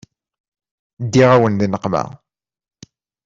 Ddiɣ-awen di nneqma.